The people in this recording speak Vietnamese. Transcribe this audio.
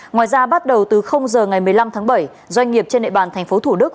ngoài ra bắt đầu từ giờ ngày một mươi năm tháng bảy doanh nghiệp trên nệ bàn tp thủ đức